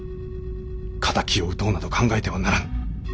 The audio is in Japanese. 敵を討とうなど考えてはならん」。